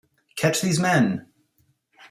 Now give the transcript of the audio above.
Catch these men!